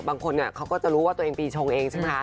บางคนเขาก็จะรู้ว่าตัวเองปีชงเองใช่ไหมคะ